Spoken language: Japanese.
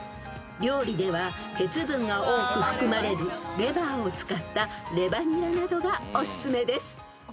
［料理では鉄分が多く含まれるレバーを使ったレバニラなどがおすすめです］